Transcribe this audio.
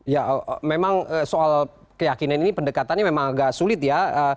ya memang soal keyakinan ini pendekatannya memang agak sulit ya